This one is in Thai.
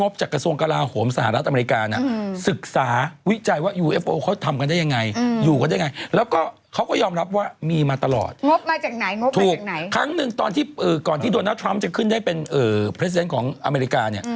บังอีกทำเอาแฟนคลับนะคะก็ฟินกันเป็นแถวนะคะ